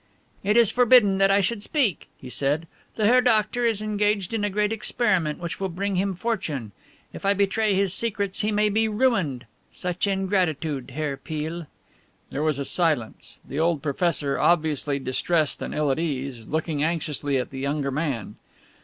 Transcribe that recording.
"It is forbidden that I should speak," he said; "the Herr Doctor is engaged in a great experiment which will bring him fortune. If I betray his secrets he may be ruined. Such ingratitude, Herr Peale!" There was a silence, the old professor, obviously distressed and ill at ease, looking anxiously at the younger man.